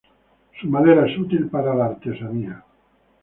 Su madera es útil para la artesanía.